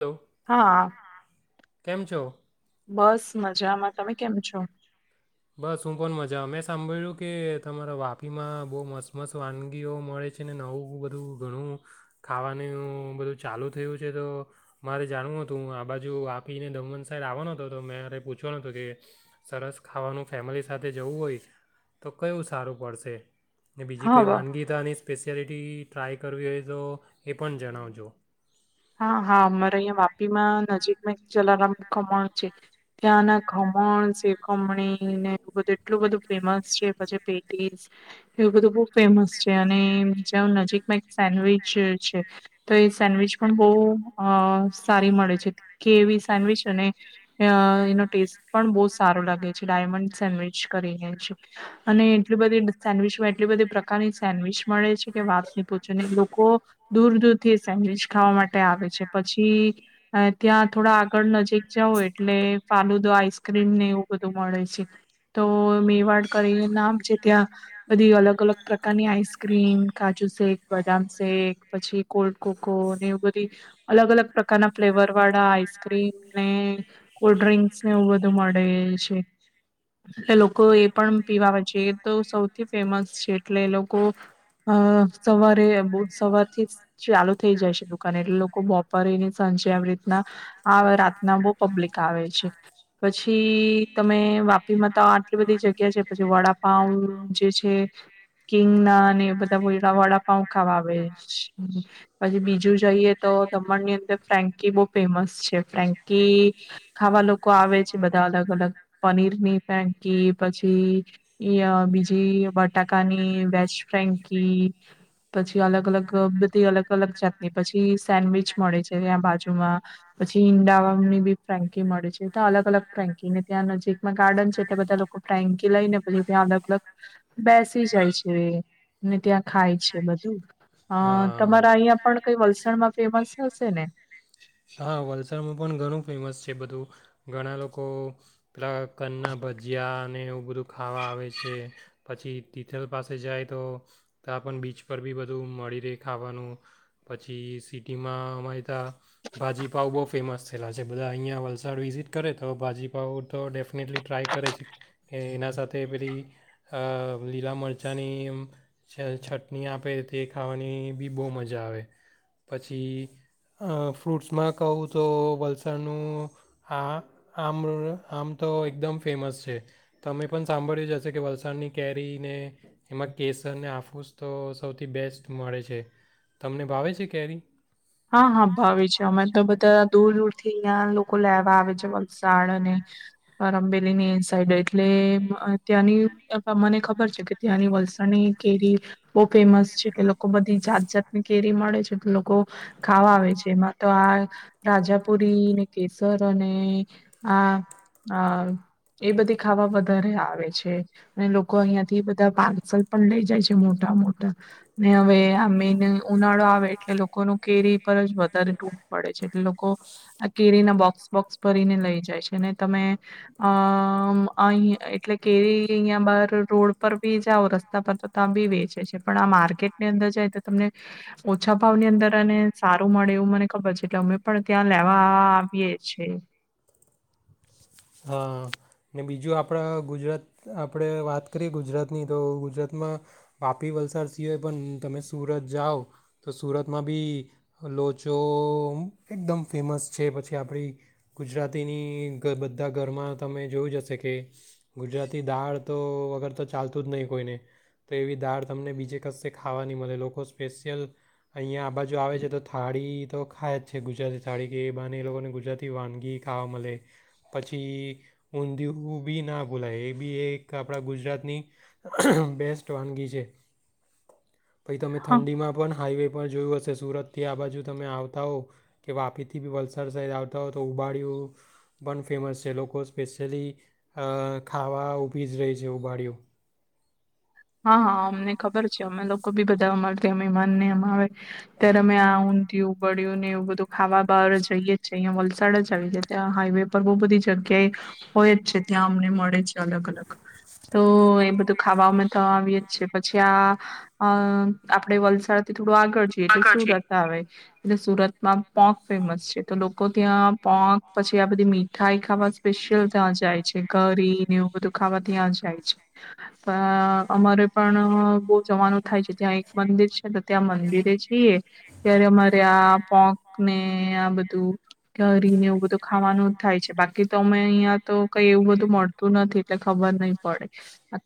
Hello હા કેમ છો બસ મજામાં તમે કેમ છો બસ શું પણ મજા મેં સાંભળ્યું કે તમારા વાપીમાં બહુ મસ્ત મસ્ત વાનગીઓ મળે છે ને નવું બધું ઘણું ખાવાનું બધું ચાલુ થયું છે તો મારે જાણવું હતુંું આ બાજુ વાપીને દમણ સાઈડ આવવાનો હતો તો મારે પૂછવાનો હતું કે સરસ ખાવાનું ફેમિલી સાથે જવું હોય તો કયું સારું પડશે ને બીજી હા, કંઈ વ વાનગીતાની સ્પેશિયાલિટી ટ્રાય કરવી હોય તો એ પણ જણાવજો હા હા અમારે અહં વાપીમાં નજીકમાં એક જલારામ કમણ છે ત્યાંના ખમણ શેખમણી ને બધું એટલું બધું ફેમસ છે પછ પેટીસ એવું બધું બહ ફેમસ છે અને બીજા નજીકમાં એક સેન્ડવીચ છે તો એ સેન્ડવિચ પણ બહુ અ સારી મળે છે કે એવી સેન્ડવીચ અને એનો ટેસ્ટ પણ બહુ સારો લાગે છે ડાયમંડ સેન્ડવીચ કરીને છે અને એટલી બધી સેન્ડવીચમાં એટલી બધી પ્રકારની સેન્ડવીચ મળે છે કે વાત ની પૂછો લોકો દૂર-દૂર થી એ સેન્ડવીચ ખાવા માટે આવે છે પછી ત્યાં થોડા આગળ નજીક જાઓ એટલે ફાલુદો આઈસક્રીમને એવું બધું મળે છે તો મેવાડ કરીને નામ છે ત્યાં બધી અલગ-અલગ પ્રકારની આઈસક્રીમ, કાજુશેક, બદામશેક પછી ને એ બધી અલગ અલગ પ્રકારના ફ્લેવર વાળા આઈસક્રીમ ને કોલ્ડ ડ્રિંક્સ ને એવું બધું મળે છે એટલે લોકો એ પણ પીવા આવે છે એ તો સૌથી ફેમસ છે એટલે એ લોકો અ સવારે બઉ સવારથી જ થઈ જાય છે દુકાને એટલે લોકો બોપોરને સાંજે આવી રીતના આ રાતના બહુ પબ્લિક આવે છે પછી તમે વાપીમાં તો આટલી બધી જગ્યા છે પછી વડાપાઉં જે છે કિંગના એ બધા એ વડાપાઉં ખાવા આવે છે. પછી બીજું જઈએ તો દમણની અંદર ફ્રેન્કી બહુ ફેમસ છે ફ્રેન્કી ખાવા લોકો આવે છે બધા અલગ અલગ પનીરની ફ્રેન્કી પછી બીજી બટાકાની વેજ ફ્રેન્કી પછી અલગ-અલગ તી અલ લ અલગ જાતની પછી સેન્ડવીચ મળે છે ત્યાં બાજુમાં પછી ઈંડાની બી ફ્રેન્કી મળે છે ત્યા અલગ-અલગ ફ્રેન્કીને ત્યાં નજીકમાં ગાર્ડન છે એટલે બધા લોકો ફ્રેન્કી લઈને પછી ત્યાં અલગ-અલગ બેસી જાય છે ત્યાં ખાય છે બધું. હા તમાર અહીયાં પણ કઈ વલસાડમાં ફેમસ હશેને? હા વલસાડમાં પણ ઘણું ફેમસ છે બધું ઘણા લોકો પેલા કનના ભજીયા અને એવું બધું ખાવા આવે છે પછી તિથલ પાસે જાય તો ત્યાં પણ બીચ પર બી બધું મળી રેય. ખાવાનું પછી સિટીમાં અમારી તયાં ભાજીપાઉ બહુ ફેમસ થયેલા છે બધા અહીંયા વલસાડ વિઝિટ કરે તો ભાજીપાઉ તો ડેફ નેટલી ટ્રાય કરે છે કે એના સાથે પેલી અ લીલા મરચાંની છટણી આપે તે ખાવાની બી બહુ મજા આવે પછી અ ફ્રૂટ્સમાં કહું તો વલસાડનું આ આમ આમ તો એકદમ ફેમસ છે તમે પણ સાંભળ્યું જશે કે વલસાડની કેરીને એમાં કેસરને આફુસ તો સૌથી બેસ્ટ મળે છે. તમને ભાવે છે કેરી? હા હા ભાવે છે અમે તો બધા દૂર દૂર થી અહિયાં લોકો લોકો લેવા આવે છે વલસાડ અને કરમબેલીની સાઈડે એટલે ત્યાંની મને ખબર છે કે ત્યાંની વલસાડની કેરી બહુ ફેમસ છે કે લોકો બધી જાત જાતની કેરી મળે છે તો લોકો ખાવા આવે છે એમાં તો આ રાજાપુરી ને કેસર અને આ એ બધી ખાવા વધારે આવે છે અને લોકો અહિયાં થી બધા પાર્સલ પણ લઇ જાય છે મોટા મોટા ને હવે આ મેઈન ઉનાળો આવે એટલે લોકો લોકોનું કેરી પર જ વધારે ટૂટ પડે છે એટલે લોકો આ કેરીના બોક્સ બોક્સ ભરીને લઈ જાય છે ને તમે અ અહીં એટલે કેરી અહીંયા બહાર રોડ પર બી જાઓ રસ્તા પર તો ત્યાં બી વેચે છે પણ આ માર્કેટની અંદર જાય તો તમને ઓછા ભાવની અંદર સારું મળે એવું મને ખબર છે એટલે અમે પણ ત્યાં લેવા આવીએ છીએ. હ ને બીજું આપણા ગુજરાત આપણે વાત વાત કરીએ ગુજરાતની તો ગુજરાતમાં વાપી, વલસાડ સિવાય પણ તમે સુરત જાઓ તો સુરતમાં બી લોચો એકદમ ફેમસ છે પછી આપણી ગુજરાતીની બધા ઘરમાં તમે જોયું જ હશે કે ગુજરાતી દાળ તો અગર તો ચાલતું જ નહીં કોઈને તો એવી દાળ તમને બીજે કશે ખાવા નહીં મળે લોકો સ્પેશિયલ અહીંયા આ બાજુ આવે છે તો થાળી તો ખાય જ છે ગુજરાતી થાળી કે એ બાહાને એ લોકોને ગુજરાતી વાનગી ખાવા મલે પછી ઊંધિયું બી ના ભૂલાય એ બી એક આપણા ગુજરાત ની બેસ્ટ વાનગી છે. પછી તમે હા, ઠંડીમાં પણ હાઈવે પણ જોયું હશે સુરતથી આ બાજુ તમે આવ આવતા હો કે વાપીથી બી વલસાડ સાઈડ આવતા હો તો ઉબાડિયુ પણ ફેમસ છે લોકો સ્પેશિયલી ખાવા ઊભી જ રેય છે ઉબાડિયુ. હા હા અમને ખબર છે અમે લોક લોકો બી બધાવા માટે મેહમાનને અમ આવે ત્યારે અમે આ ઊંધ ઉગડ્યું ને એવું બધું ખાવા બાર જઈએ જ છે અં વલસાડ જ આવી જાય ત્યાં હાઈવે પર બહુ બધી જગ્યાએ હોય જ છે ત્યાં અમને મળે છે અલગ અલગ તો એ બધું ખાવા અ આવી જ છે પછી આ આપણેે વલસાડથી થોડું આગળ જોઈએ એટલે સુરત આવે એટ સુરતમાં પોક ફેમસ છે તો લોકો ત્યાં પોક પછી આ બધી મીઠાઈ ખાવા સ્પેશિયલ ત્યાં જાય છે કરીરીને એવું બધું ખાવા ત્યાં જાય છે. અમારે પણ બહુ જવાનું થાય છે ત્યાં એક મંદિર છે ત્યાં મંદિરે જઈએ ત્યારે અમારે આ પોક ને આ બધું કરીને એવું બધું ખા થાય છે બાકી તો અમે અહીં તો કઈ એવું બધું મળતું નથી એટલે ખબર નહી પડે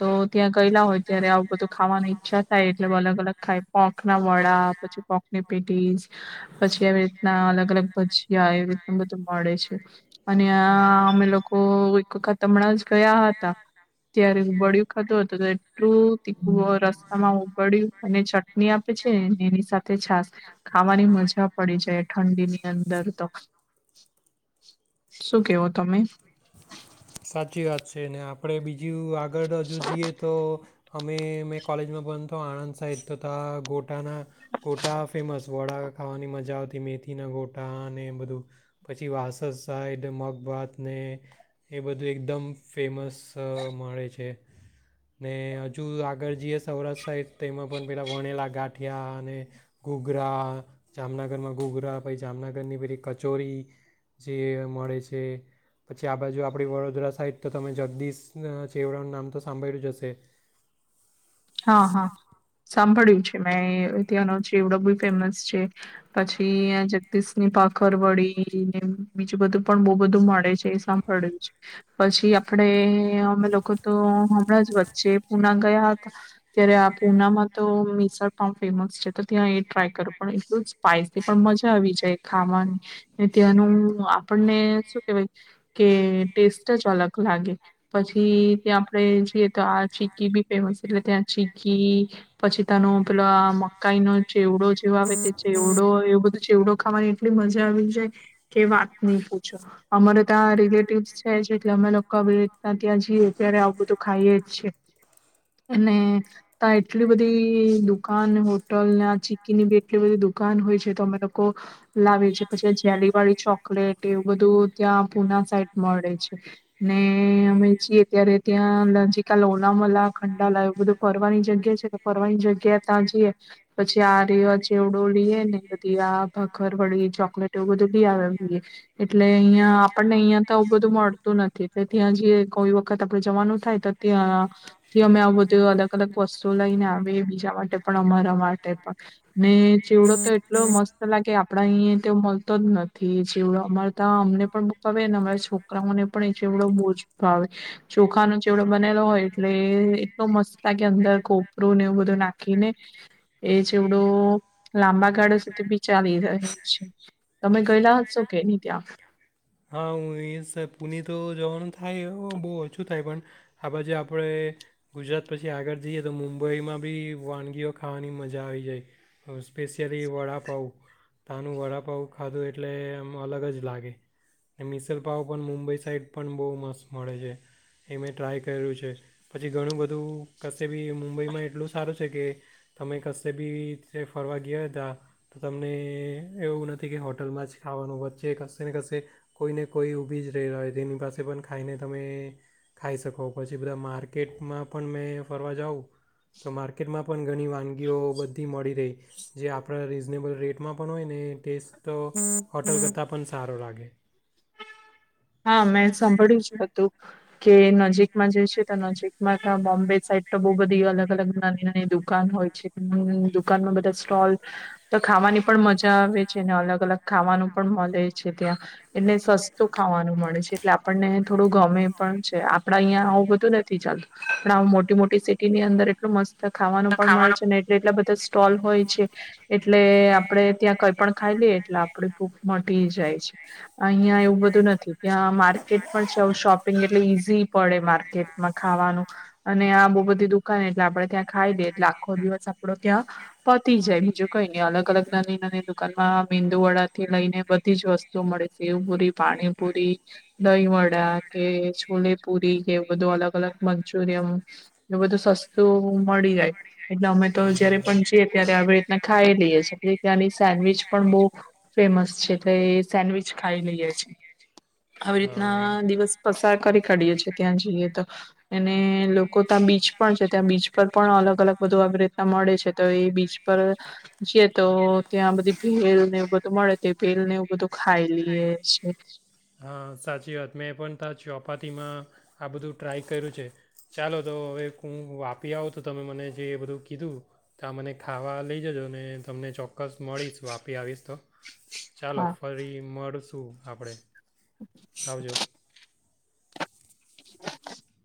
તો ત્યાં પલા હોય ત્યારે આવું બધું ખાવાની ઈચ્છા થાય એટલે અલગ અલગ ખાય પોક ના વડા પછી પોકની પેટીસ પછી એવી રીતના અલગ અલગ ભજીયા એવી રીત બધું મળે. અને અમે લોકો એક વખત હમણાં જ ગયા હતા ત્યારે બળિ્યું ખાધું હતું એટલું તીખુ રસ્તામાં ઉગડ્યું અને ચટણી આપે છે એની સાથે છાસ ખાવાની મજા પડી જાય ઠંડીની અંદર તો શું કેવો તમે સાચી વાત છે ને આપડે બીજ જો આગળ હજુ જઈએ તો. અમે મેં કોલેજમાં બન તો આણંદ સાહિત તો તા ગોટ કો ના કોટા ફેમસ સ વડા ખાવાની મજા આવતી મેથીના ગોટા અને બધું પછી વાસસ સાઈડ મકબાતને એ બધું એકદમ ફેમસ સ મળે છે. ને હજુ આગળ જઈએ સૌરાષ્ટ્ર સાઈડ તેમાં પણ પેલા વણેલા ગાટ ગઠિયા અને ઘુગરા, જામનગરમાં ઘુગરા પછી જામનગરની પેલી કચોરી જે મળે છે પછી આ બાજુ આપણી વડોદરા સાઈડ તો તમે જગદીશ છેવડાનું નામ તો સાંભળલ્યું જશે હા હા સાંભળ્યું છે મેં અ તંનો ચીવડો બ ફેમસ છે પછી જગદીશની પાખર વળી ને બીજું બધું પણ બહુ બધું મળે છે એ સાંભળ્યું છે પછી આપણેે અમે લોકો તો હમણાં જ વચ્ચે પુના ગયા ત્યારે આ પુનામાં તો મિસળ પાવ ફેમસ છે તો ત્યાં એ ટ્રાય કરું પણ એટલું જ સ્પાઈસી પણ મજા આવી જાય ખાવાની ત્યાંનું આપણને શું કેહેવાય કે ટેસ્ટ જ અલગ લાગે પછી ત્યા આપડે જઈએ તો આ ચીકી બી ફેમસ એટલે ત્યાં ચીગી પછી તનો પેલો મકાઈ નો ચેવડો જેવો આવે તે ચેવડો એવ બધું ચેવડો ખાવાની એટલી મજા આવી જાય. કે વાત નહી પૂછો અમારે ત્યાં રિલેટિવ છે એટલે અમે લોકો આવી રીતના ત્યાં જઈએ ત્યારે આવું તો ખાઈએ જ છે. અને ત્યા એટલી બધી દુકાન, હોટલને ચીકીની બી એટલી બધી દુકાન હોય છે તો અમે લોકો લાવી છીએ પછી જેલી વાડી ચોક વું બધું ત્યાં પુના સાઈટ મળે છે ને અમે જીએ ત્યારે ત્યાં જી ક લોનામલા અંડાલા એવું બધું ફરવાની જગ્યા છે તો ફરવાની જગ્યા ત્યાં જઈએ પછી આ રેવા ચેવડો લઈએ ને બધી આ ભખર વળી ચોકલેટ એવું બધું લી આવેમ એટલે અહિયાં આપણને અહિયાં તો બધું મળતું નથી એટ ત્યાં જે કોઈ વખત આપડ જવાનું થાય તો ત્યાં થી અમે આવું બધું અલગ અલગ વસ્તુઓ લઈને આવે બીજા માટે પણ અમારા માટે પણ ને ચેવડો તો એટલો મસ્ત લાગે આપ આપ અહી તો મળતો જ નથી જેવડો અમારા ત અમને પણકાવેને અમારા છોકરાઓને પણ એ જેવડો બોજ ભાવે ચોખા નો ચવડો બનેલો હોય એટલે એટલો મસ્ત થ કે અંદર ખોપરું ને એવું બધું નાખીને એ જેવડું લાંબા ગાળો સુધી બી ચાલી રહ છે તમે ગયેલા હશો કે નહી ત્યાં વણ થાય એ બહુ ઓછું થાય પણ આ બાજુ આપણે ગુજરાત પછી આગળ જઈએ તો મુંબઈમાં બી વાનગીઓ ખાવાની મજા આવી જાય સ્પેશિયલી વડાપાઉ તનું વડાપાઉ ખાધું એટલે આમ અલગ જ લાગે મિસલપઉ પણ મુંબઈ સાઈડ પણ બહુ મસ્ત મળે છે. એ મેં ટ્રાય કર્યું છે પછી ઘણું બધું કશે બી મુંબઈમાં એટલું સારું છે કે તમે કશે બી ફરવા ગયા હતા તો તમને એવું નથી કે હોટલમાં જ ખાવાનું વચ્ચે કશે ને કશે કોઈ ને કોઈ ઊભી જ રહે્યા હોય તેની પાસે પણ ખાઈને તમે ખાઈ શકો પછી બધા માર્કેટમાં પણ મેં ફરવા જાઉં તો માર્કેટમાં પણ ઘણી વાનગીઓ બધી મળી રહી જે આપણા રીઝનેબલ રેટમાં પણ હોય ને ટેસ્ટ તો હોટલ કરતાં પણ સારો લાગે. હા મેં સાંભળ્યું જ હતું. કે નજીકમાં જઈ છે તો નજીકમાં બોમ્બે સાઈડ તો બહુ બધી અલગ-અલગ નાની નાની દુકાન હોય છે દુકાનમાં બધા સ્ટોલ તો ખાવાની પણ મજા આવે છે અને અલગ-અલગ ખાવાનું પણ મળે છે ત્યાં એને સસ્તું ખાવાનું મળે છે એટલે આપણને થોડું ગમે પણ છે આપડા અહીં આવું બધું નથી ચાલતું પણ આ મોટી મોટી સિટી ની અંદર એટલું મસ્ત ખાવાનું પણ મળે છે ને એટલે એટલા બધા સ્ટોલ હોય છે એટલે આપડે ત્યાં કઈ પણ ખાઈ લઈએ એટલે આપડ ભૂપ મટી જાય છે. અહીંયા એવુ બધું નથી. ત્યાં માર્કેટ પણ છે શોપિંગ એટલે ઈઝી પડે માર્કેટમાં ખાવાનું અને આ બહુ બધી દુકાન એટલે આપડે ત્યાં ખાઈ દઈએ એટલે આખો દિવસ આપરો ત્યાં પતી જાય બીજું કઈની અલગ અલગ નાની દુકાન મા, મેંદુવડાથી લઈને બધી જ વસ્તુ મળે છે સેવપુરી પાણીપુરી, દહીંવડા કે છોલેપુરી કે બધું અલગ-અલગ મંચુરયન ને બઘું સસતું મળી જાય. એટલે અમેતો જયારે પણ જીએ ત્યારે [unintelligible] ખાઈ લીએ છે ત્યાંની સેન્ડવીચ પણ બો ફેમસ છે એટલે એ સેન્ડવીચ ખાઈ લીએ છે. આવી રીતના દિવસ પસાર કરી કાઢીએ છીએ ત્યાં જઈએ તો અને લોકો ત્યાં બીચ પણ છે ત્યાં બીચ પર પણ અલગ અલગ બધું આવી રીતના મળે છે તો એ બીચ પર જઈએ તો ત્યાં બધી ભેલને એવું બધું મળે તો ભેલને એવું બધું ખાય. લીએ છે. હા, સાચી વાત મેં પણ તા ચોપાટીમાં આ બધું ટ્રાય કર્યું છે ચાલો તો હવે હું વાપી આવું તો તમે મને જે એ બધું કીધું તો આ મને ખાવા લઈ જજો ને તમને ચોક્કસ મળીશ વાપી આવીશ તો ચાલો ફરી મળશું આપરે. આવજો. [inaudible]